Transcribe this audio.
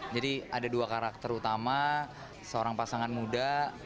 jadi ada dua karakter utama seorang pasangan muda